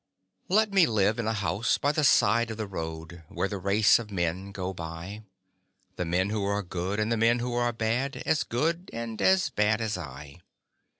Let me live in a house by the side of the road, Where the race of men go by The men who are good and the men who are bad, As good and as bad as I.